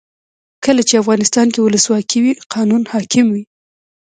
کله چې افغانستان کې ولسواکي وي قانون حاکم وي.